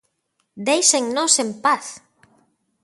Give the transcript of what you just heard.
Déixenos en paz!